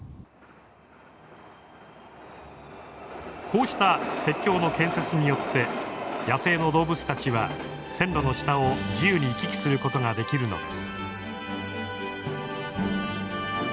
こうした鉄橋の建設によって野生の動物たちは線路の下を自由に行き来することができるのです。